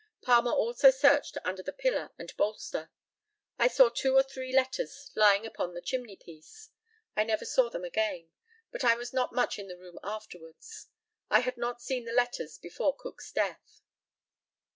Palmer also searched under the pillow and bolster. I saw two or three letters lying upon the chimney piece. I never saw them again, but I was not much in the room afterwards. I had not seen the letters before Cook's death.